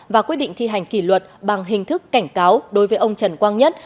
và quyết định thi hành kỷ luật bằng hình thức cảnh cáo đối với ông trần quang nhất